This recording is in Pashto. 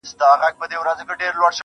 د دې مئين سړي اروا چي څوک په زړه وچيچي_